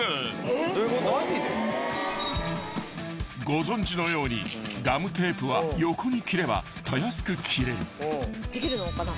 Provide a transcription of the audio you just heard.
［ご存じのようにガムテープは横に切ればたやすく切れる］